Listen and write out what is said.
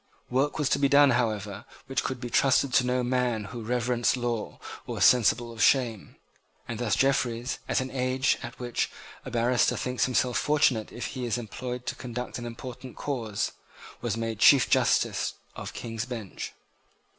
Work was to be done, however, which could be trusted to no man who reverenced law or was sensible of shame; and thus Jeffreys, at an age at which a barrister thinks himself fortunate if he is employed to conduct an important cause, was made Chief Justice of the King's Bench.